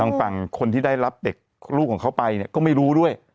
ฝั่งคนที่ได้รับเด็กลูกของเขาไปเนี่ยก็ไม่รู้ด้วย